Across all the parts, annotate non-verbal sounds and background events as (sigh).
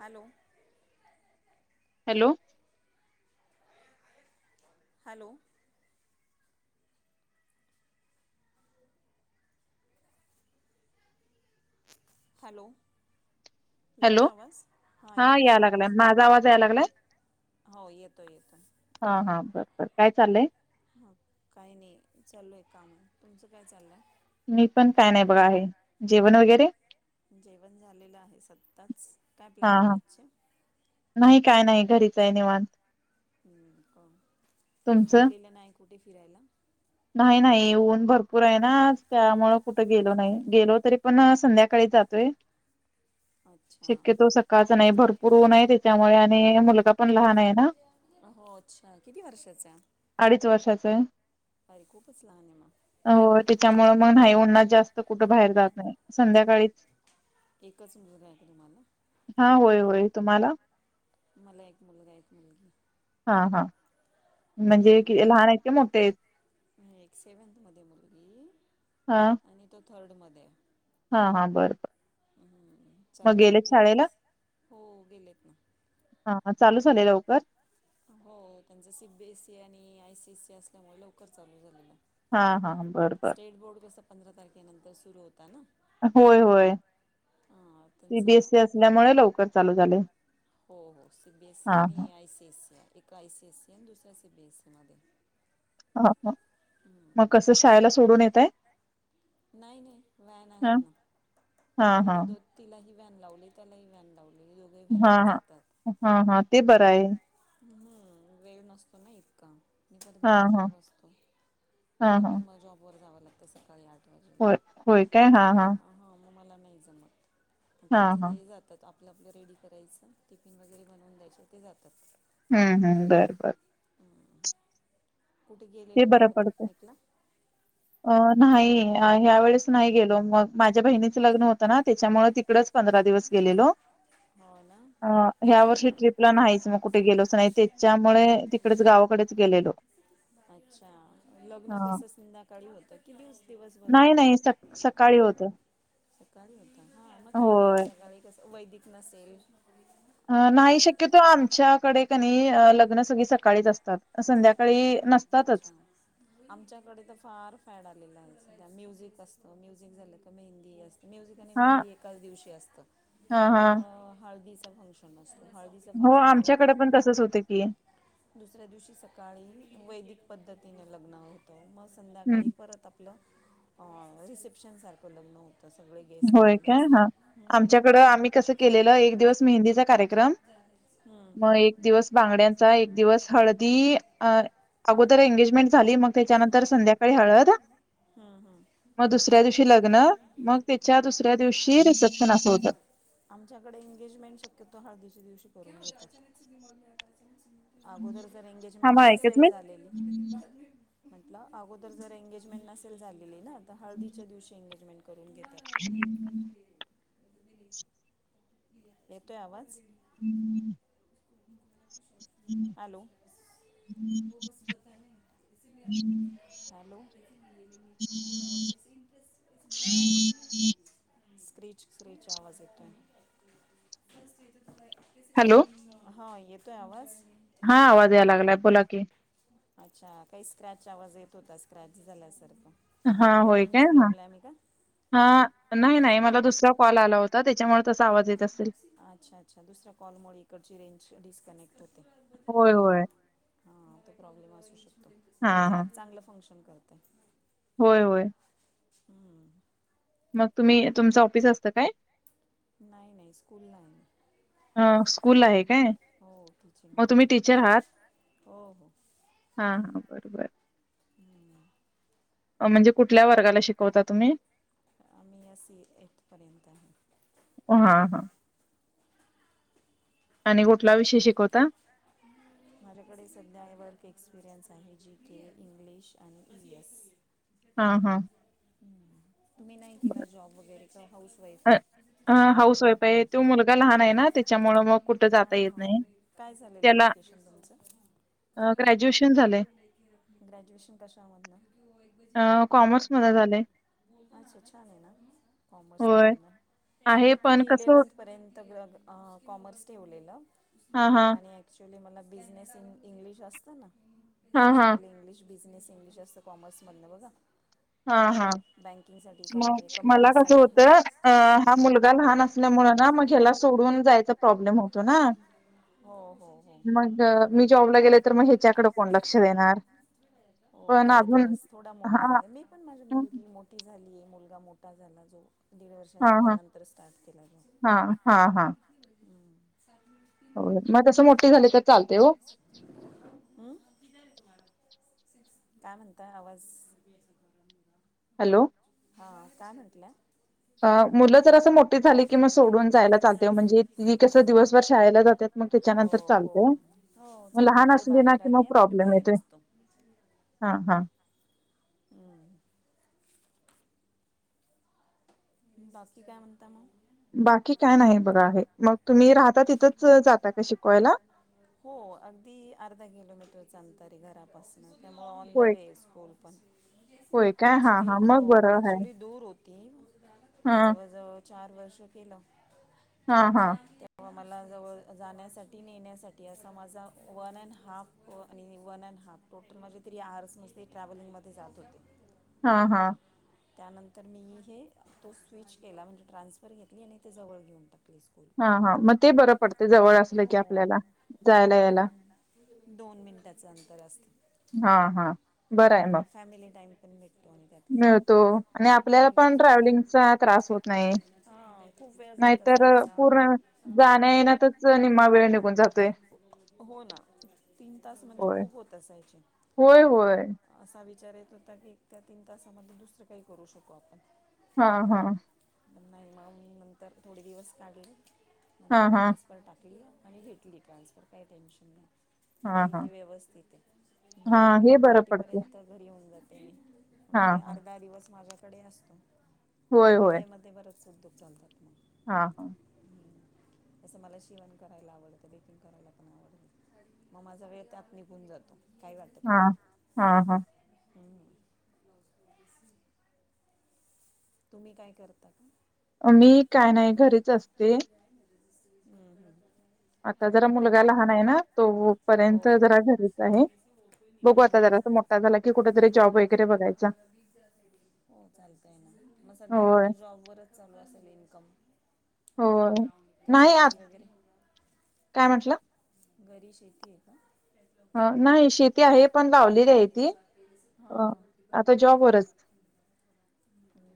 Hello. Hello. Hello. Hello. येतोय hello, आवाज हां हा येतोय याय का लागलाय, आवाज माझा आवाज याय लागलाय? हो येतोय-येतोय. तर काय चाललंय? हा काही नाही, चालू एक काम, तुमचं काय चाललंय? मी पण काय नाही बघा आहे, जेवण वगैरे? जेवण झालेलं आहे आत्ताच, काय हा प्लॅनिंग हा आजचे? नाही काय नाही घरीच आहे निवांत हम्म गेलेली नाही कुठे फिरायला? नाही-नाही ऊन भरपूर आहे ना. त्यामूळ कुठं गेलो नाही, गेलो तरी पण संध्याकाळी जातोय. अच्छा शक्यतो सकाळच नाही, भरपूर नाही त्याच्यामुळे आणि मुल पण लान आहे ना, हो अच्छा किती वर्षाचा अडीच वर्षाच आहे. बाई खूपच लहान आहे मग. हो त्याच्यामुळेळ मग नाही, उन्हात जास्त कुठं बाहेर हम्म. जात नाही, संध्याकाळीच. एकच मिळध आहे का तुम्हाला? हा होय होय तुम्हाला? मला एक मुलगा, एक मुलगी. हा, हा. म्हणजे लहान आहेत, हम्म. का मोठे आहेत. एक सेवन्थमध्ये मुलगी हा. आणि तो थर्डमध्ये. हा, हा, बर, बर. म् मग चाल होत गेले शाळेला तिलाच, हो गेलेत. हा चालू झाले लवकर? हो त्यांच सी. बी. एसई आणि आय. सी. ए. ससी असल्यामुळे लवकर चालू झालेलं ना. हा हा बर, बर. पंधरा तारखेनंतरू सुरू होते. होय-होय. हां सी. त्यांचा बी. एस. सी असल्यामुळे लवकर चालू झाले. हो, हो सी. बी. एस. सी. हा आणि हा आय. सी. एसी. एक आय. सी. एसी. आणि दुसर एसी बी. एसी. मध्ये. हा का, मग कसं शाळेला सोडून येताय. नाही-नाही व्हॅन आहेत ना. हा हा तिला दोन तिलाही. व्हॅन लावली, त्याला व्व्हॅन लावली. दोघे हा, व्हॅननेच जातात. ह हा, हा ते बरं आहे. हम्म वेळ नसतो ना. इतका. आणि पण हा माझा हा जॉब असतो, हा मला पण म जॉबवर जावं लागतं सकाळी आठ वाजेला हो होय-काय हा हा. हां मग मला नाही जमत, तेचं हा हा तेनी जातात. आपलं-आपलं रेडी करायचं. टिफिन वगैरे बनवून द्यायचं ते जातात. हम्म, हम्म, बर-बर. कुठे ते गेलेले नाही बरं का पडतं पिकनिकला? अ नाही ह्या वेळेस नाही गेलो. मग माझ्या बहिणीचं लग्न होतं ना त्याच्यामुळे तिकडच पंधरा दिवस गेलो. गेलेलो. हो ना अ ह्या वर्षी ट्रिपला नाहीच, मग कुठे गेलोच नाही, त्याच्यामुळे तिकडेच गा गवाकडेच गेलेलो. ह. अच्छा, लग्न हा. कस संध्याकाळी होत, कि दिवस दिवसभर नाही होत. नाही स सकाळी होत सकाळी होत हा मग काही नाही, होय. सकाळी कस वैदिक नसेल. अ नाही पे शक्यतो आमच्याकडे कनी लग्न सगळी सकाळीच असते. अच्छा आमच्याकडे तर फार फॅड आलेला आहे. म्युझिक असतं, म्युझिक झालं क मेहंदी असते. म्युझिक आणि हा मेहंदी एकाच दिवशी असतं. हा हा मं हळदीचं फंक्शन असतो. हो आमच्याकडे पण तसच होत की. दुसऱ्या दिवशी सकाळी वैदिक पद्धतीने लग्न होतं. मस्त हम्म संध्याकाळी परत आपलं रिसेप्शनसारखं लग्न होतं. सगळे गेस्ट होय आलेले काय असतात हा, हम्म, आमच्याकडं आम्ही कसं केलेलं, एक दिवस मेहंदीचा कार्यक्रम हम्म, मग एक दिवस बांगड्यांचा, एक दिवस हळदी अ अगोदर एंगेज एंगेजमेंट झाली. मग त्याच्या नंतर संध्याकाळी हळद. हम्म, हम्म. मग दुसऱ्या दिवशी लग्न. मग तेच्या त्या दुसऱ्या दिवशी. रिसेप्शन असं होत. आमच्याकडे एंगेजमेंट शक्यतो हळदीच्या दिवशी करून घेतात. अगोदर तर एंगेजमेंट थांबा एकच नसेेल मिनिट झालेली. म्हटलं अगोदर जर एंगेजमेंट नसेल झालेली ना, तर हळदीच्या दिवशी एंगेजमेंट करून घेतात. येतोय आवाज? हम्म. हॅलो. हो बस बता नाही (inaudible) हॅलो. स्क्रीच-स्क्रीच आवाज येतोय. हॅलो. हा येतोय आवाज? हा आवाज यायला लागलाय बोला की. अच्छा काही स्क्रॅच आवाज येत होता, स्क्रॅच झाल्यासारखं हा होय काय रेंज हा. प्रॉब्लेम आहे का हा नाही-नाही मला दुसरा कॉल आला होता. त्याच्यामुळे तसा आवाज येत असेल अच्छा-अच्छा दुसऱ्या कॉलमुळे इकडची रेंज डिस्कनेक्ट होते. होय होय. हा तो प्रॉब्लेम असु शकतो. हा नाही ते ऍप चांगलं फंक्शन करतंय. होय-होय. हम्म. मग तुम्ही तुमचं ऑफिस असतं काय. नाही-नाही स्कुल आहे. ह स्कूल आहे काय. मग टीचिंगमध्ये तुम्ही टीचर आहात? हो हो हा हा बर. बर. हम्म (inaudible) कुठल्या वर्गाला शिकवता तुम्ही? आम्ही एसी एट पर्यंत. हा हा आणि कुठला विषय शिकवता? हम् (unintelligible) माझ्याकडे सध्या वर्क एक्सपिरियन्स आहे. जी, के, इंग्लिश आणि ई, वी एस. हा हा. मी नाही केला बर जॉब वगैरे? का हाऊस वाईफ आहे हाऊस वाईफ आहे तो मुलगा लहान आहे ना त्याच्यामुळं मग कुठं जाता येत हं नाही हं. काय झालेलं त्याला एज्युकेशन तुमज? अ, ग्रॅज्युएशन झालंय. ग्रॅज्युएशन कशा मधन? अ, कॉमर्समध्ये झालंय. कॉमर्स. अच्छा छान आहे ना. होय. आहे मी पण कसं हो इलेव्हन्थ पर्यंत कॉमर्स ठेवलेलं. हा हा. ॲक्च्युली आणि मला बिझनेस इंग्लिश असत ना. हां, हां. ऑप्शनल इंग्लिश बिझनेस इंग्लिश असतं कॉमर्स मधन बघा हा हा. बँकिंगसाठी कम मग मला कस कंपनीसाठी होत. हा हा मुलगा लहान असल्यामुळे ना मग ह्याला सोडून जा प्रॉब्लेम होतो ना. हो. हो. हो. मग मी जॉबला गेले तर. मग ह्याच्याकडे कोण लक्ष देणार, हो पण थोडा अजुन दिवस थोडा मोठा झाला. मी पण माझी मुलगी मोठी झाली आहे मुलगा मोठा झाला जो दीड हां, वर्षाचा हां, त्यानंतर स्टार्ट केला मी. हां हां हो मग तसं मोठे झाले तर चालतेय ओ. काय म्हणताय आवाज? हॅलो. हा काय म्हटल्या? अ मुलं जर असं मोठी झाली की, मग सोडून जायला चालतय म्हणजे ती कसं दिवसभर शाळायला जातात मग हो त्याच्यानंतर हो चालतंय ओ. हो चालते ते बाहेर, आणि आपण बाहेर येतोय असतो. हा हा हम्म बाकी काय म्हणता मग? बाकी काय नाही बघा आहे मग, तुम्ही राहता तिथंच जाता का शिकवायला? हो अगदी अर्धा किलोमीटरच अंतर आहे घरापासूनच. त्यामुळे ऑन द होय वे स्कूल पण, होय काय हा ॲक्च्युली हा हो मग बरं आहे ॲक्च्युली दूर होत. हा मी जवळ-जवळ चार वर्ष केलं. हा हा. तेव्हा मला जवळ जाण्यासाठी नेण्यासाठी असा, माझा वन अँड हाफ आणि वन अँड हाफ टोटल म्हणजे तरी आर्स नुसते, ट्रॅव्हलिंग मध्ये जात होते. हा हा. त्यानंतर मी हे तो स्विच केला, म्हणजे ट्रान्सफर घेतली, आणि ते जवळ घेऊन टाकली. स्कूल हा हा, मग ते बरं पडते, जवळ असलं की हो आपल्याला जायला पण यायला. दोन मिनिटाचं अंतर असत. हा हा बरं आहे मग. फॅमिली टाईम पण भेटतो आणि त्यातले मिळतो, आणि जात आपल्याला पण मुलांसोबत ट्रॅव्हलिंगचा त्रास होत नाही. हां खूप वेळ जात नाहीतर असायचा पूर्ण, जाण्या येण्यातचं निम्मा वेळ निघून जातोय. हो ना तीन-तास म्हणजे होय खूप होत असायचे. होय होय विचार येते होता की, त्या तीन तासामध्ये दुसरं काही करू शकू आपण. हा हा. त्यांना एमाऊंट नंतर थोडे दिवस काढले, हा नंतर हा ट्रान्सफर टाकली. आणि घेतली ट्रान्सफर, काय टेन्शन नाही. हा आता हा इथे व्यवस्थित आहे, हा घरी हे टू बरं थर्टी पडते पर्यंत, घरी येऊन जाते. मी हा म्हणजे अर्धा दिवस माझ्याकडे असतो. होय त्या होय वेळे मध्ये बर सतू लतात मग (unintelligible) हा हा. असं मला शिवण करायला आवडतं, बेकिंग करायला पण आवडत, मग माझा वेळ त्यात निघून जातो. काही वाटत हा, नाही हम, हम. हम्म. तुम्ही काय करता का? मी काय नाही घरीच असते. हम्म हम्म. आता जरा उरले मुलगा लहान आहे ना. तो हो पर्यंत जरा घरीच आहे. बघू हम्म, आता हम्म. जरा अस मोठा झाला की कुठतरी जॉब वगैरे बघायचा. हो चालतय ना, मग सध्या होय तुमच्या जॉब वरच चालू असेल इन्कम. हो का नाही आ शेती वगैरे काय म्हटलं. घरी शेती आहे का? ह नाही शेती आहे, पण लावलेली आहे ती. हा अ हा. आता जॉबवरच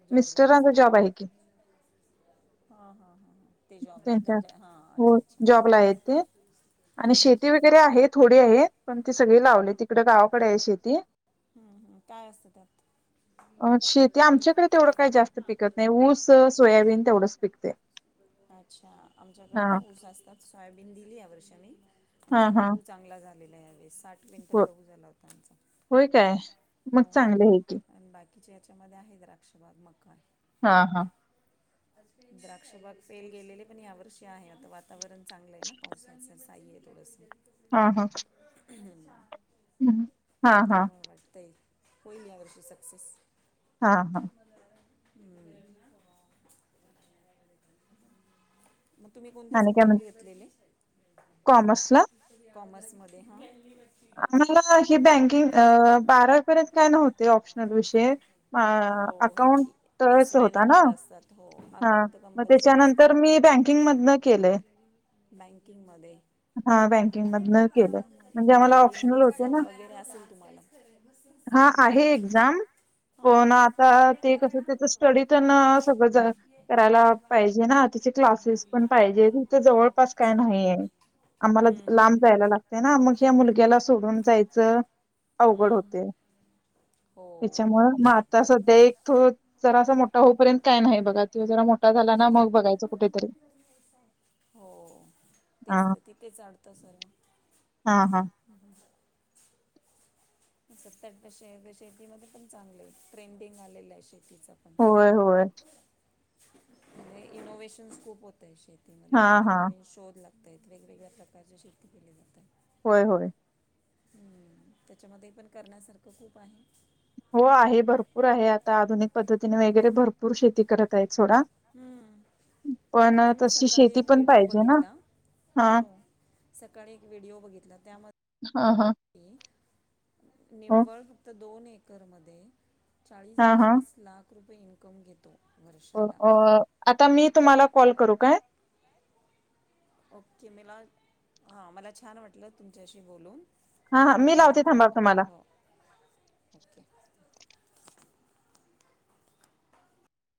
जॉब वरच मिस्टरांचा जॉब आहे की हा, हा, हा. ते जॉबला त्यांच्या हा हो अच्छा-अच्छा. जॉबला आहेत ते आणि शेती वगैरे आहे, थोडी आहे, पण ती सगळी लावले तिकड गावाकडे आहे शेती. हम्म. हम् काय असतं त्यात? अ शेती आमच्याकडे तेवढं काही जास्त पिकत नाही. ऊस सोयाबीन तेवढंच पिकतय. अच्छा आमच्याकडे पण ऊस असतात. सोयाबीन दिली या वर्षी. हा आमचा हा गहू चांगला झालेला आहे या वेळी. साठ क्विंटल हो गहू झाला होता आमचा. होय काय मग हो चांगले आहे की. आणि याच्यामध्ये आहे, द्राक्षबाग मका. हा, हा. अच् (unintelligible) द्राक्षबाग फेल गेलेली, पण यावर्षी आहे, आता वातावरण चांगलं आहे, ना पावसाचं साई आहे थोडस. हा हा. ह (unintelligible) हम. त्यामुळेला वाटतय. होईल ह्या वर्षी सक्सेस. हा हा. हम्म. मग तुम्ही कोणते आणि काय म्हण सब्जेक्ट घेतलेले? कॉमर्सला कॉमर्समध्ये हा. आम्हाला हे बँकिंग बारा पर्यंत काय नव्हते. ऑप्शनल विषयी. हो एस. वाय. होता ना नंतर असतात. हो हा अकाउंट मग कंपल्सरी असतं. त्याच्यानंतर मी बँकिंग मधन केलय. बँकिंगमध्ये. हा बँकिंगमधन केलं, म्हणजे आम्हाला बँकिंग ऑप्शनल होते एक्झाम ना. वगैरे असेल तुम्हाला हा आहे एक्झाम, पण हां आता ते कसं त्याच स्टडी तर सगळं करायला पाहिजे ना, त्याचे क्लासेस पण पण पाहिजे. हित जवळ पास काही नाहीं आहे. आम्हला हम्म, लांब जायला लागत ना. मग हे मुलग्याला सोडून जायचं अवघड हम्म. होतय. हो त्याच्यामुळं मग आता सध्या एक तो जरा अस मोठा होऊपर्यंत काय नाही बघा, तो जरा मोठा झाला ना मग बघायच कुठेतरी. हो तेच हा तर तिथे आढत सर्व. हा हा. सत्तर टक्के शेतीमध्ये पण चांगले आहे, ट्रेंडिंग आलेलं आहे शेती. होय-होय. इनोव्हेशनस खूप होतय शेतीमध्ये. हा हा नवीन-नवीन शोध लागतात. काहीतरी वेगवेगळ्या प्रकारचे शेती केले जात आहेत. होय-होय. हम्म त्याच्यामध्ये पण करण्यासारखं खूप आहे. हो आहे, भरपूर आहे, आता आधुनिक पद्धतीने वगैरे भरपूर शेती करत आहेत. सोडा हम्म. पण आत्ता त मी सकाळी शेती एक पण व्हिडिओ पाहिजे ना. बघितला हा हो सकाळी एक व्हिडिओ बघितला त्यामध्ये ह हा. हो. निव्वळ फक्त दोन एकर मध्ये, चाळीस हा, हा. बेचाळीस लाख रुपये तो इनकम घेत. हो आता मी तुम्हाला कॉल करू काय? ओके, मला हा मला छान वाटलं तुमच्याशी बोलून. हा, हा. मी तुम्हाला लावते कॉल थांबा तुम्हाला. कर हो, ओके.